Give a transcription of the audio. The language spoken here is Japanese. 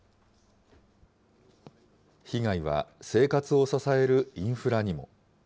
被害は生活を支えるインフラにも。